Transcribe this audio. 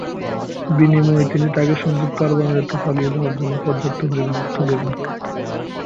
বিনিময়ে, তিনি তাকে সংযুক্ত আরব আমিরাতে পালিয়ে যাওয়ার জন্য পর্যাপ্ত পরিমাণ অর্থ দেবেন।